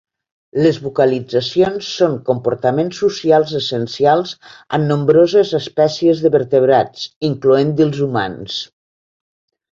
Les vocalitzacions són comportaments socials essencials en nombroses espècies de vertebrats, incloent-hi els humans.